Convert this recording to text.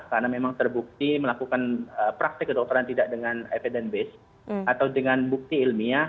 karena memang terbukti melakukan praktik kedokteran tidak dengan evidence based atau dengan bukti ilmiah